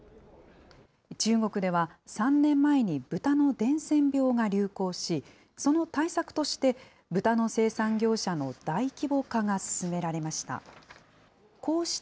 中国では３年前に豚の伝染病が流行し、その対策として、豚の生産業者の大規模化が進められました。